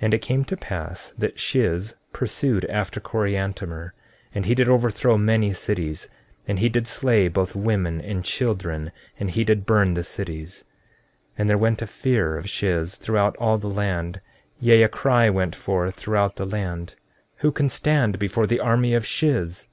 And it came to pass that Shiz pursued after Coriantumr, and he did overthrow many cities, and he did slay both women and children, and he did burn the cities. 14:18 And there went a fear of Shiz throughout all the land; yea, a cry went forth throughout the land—Who can stand before the army of Shiz?